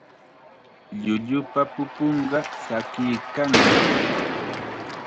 Llullupa pupunqa tsakiykannam.